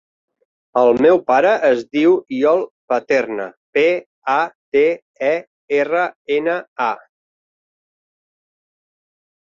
El meu pare es diu Iol Paterna: pe, a, te, e, erra, ena, a.